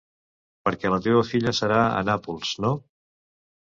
Perquè la teua filla serà a Nàpols, no?